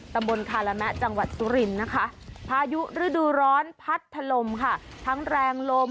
ตำบลคาละแมะจังหวัดสุรินนะคะภายุฤดูร้อนพัดพลมถ้างใรงลม